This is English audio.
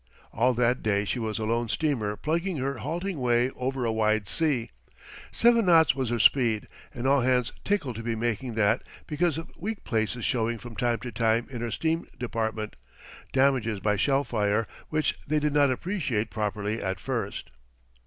All that day she was a lone steamer plugging her halting way over a wide sea. Seven knots was her speed, and all hands tickled to be making that because of weak places showing from time to time in her steam department damages by shell fire which they did not appreciate properly at first.